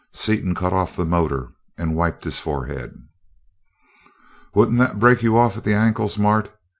Seaton cut off the motor and wiped his forehead. "Wouldn't that break you off at the ankles, Mart?